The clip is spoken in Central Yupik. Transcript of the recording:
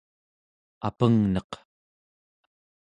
apengneq